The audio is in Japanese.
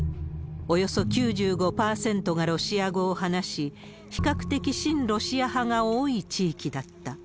およそ９５％がロシア語を話し、比較的親ロシア派が多い地域だった。